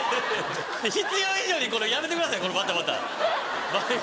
必要以上にこのやめてくださいこのバタバタ。